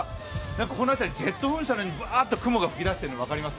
この辺り、ジェット噴射のようにバーッと雲が吹き出してるの分かります？